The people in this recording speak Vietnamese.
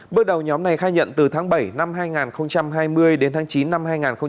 bước đầu nhóm này khai nhận từ tháng bảy năm hai nghìn hai mươi đến tháng chín năm hai nghìn hai mươi